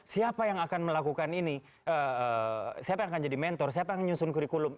siapa yang akan melakukan ini siapa yang akan jadi mentor siapa yang nyusun kurikulum